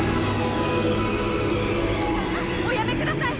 おやめください！